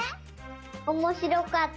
おもしろかった！